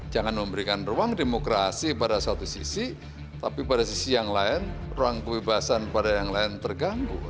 jangan memberikan ruang demokrasi pada satu sisi tapi pada sisi yang lain ruang kebebasan pada yang lain terganggu